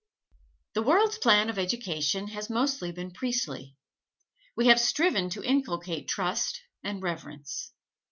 The world's plan of education has mostly been priestly we have striven to inculcate trust and reverence.